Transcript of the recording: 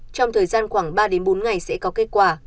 trong thời gian khoảng ba bốn ngày sẽ có kết quả